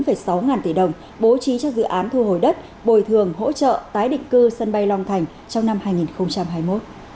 các cơ quan chức năng đã bố trí cho dự án thu hồi đất bồi thường hỗ trợ tái định cư sân bay long thành trong năm hai nghìn hai mươi một